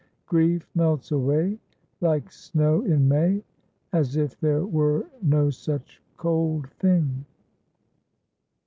Grief melts away Like snow in May, As if there were no such cold thing."